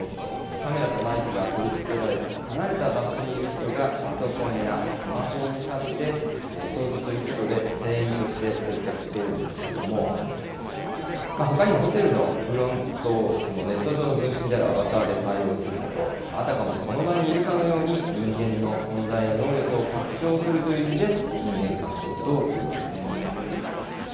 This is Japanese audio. カメラとマイクが取り付けられ、離れた場所にいる人がパソコンやスマホを使って操作することで、店員として接客しているんですけれども、ほかにもホテルのフロント、ネット上の分身であるアバターで対応するなど、あたかもその場にいるかのように、人間の存在や能力を拡張するという意味で、人間拡張というわけです。